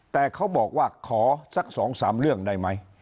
แต่เขาบอกว่าขอสัก๒๓เรื่องได้ไหม